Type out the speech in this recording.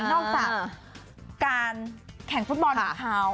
นอกจากการแข่งฟุตบอลของเขา